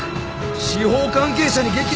司法関係者に激震」